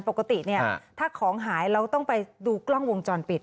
ปกติเนี่ยถ้าของหายเราต้องไปดูกล้องวงจรปิด